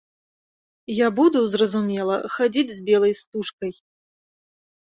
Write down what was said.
Я буду, зразумела, хадзіць з белай стужкай.